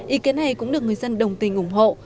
ý kiến này cũng được người dân đồng tình ủng hộ